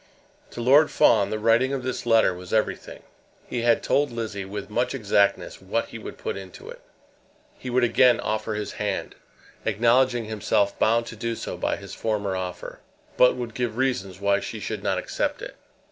To Lord Fawn the writing of this letter was everything. He had told Lizzie, with much exactness, what he would put into it. He would again offer his hand, acknowledging himself bound to do so by his former offer, but would give reasons why she should not accept it.